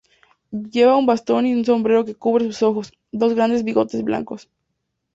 Lleva un bastón y un sombrero que cubre sus ojos; dos grandes bigotes blancos.